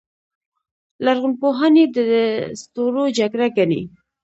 لرغونپوهان یې د ستورو جګړه ګڼي.